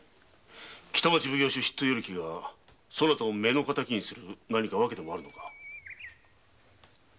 北町奉行所筆頭与力がそなたを目の敵にする何か訳でもあるのか？